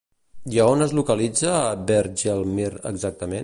I a on es localitza Hvergelmir exactament?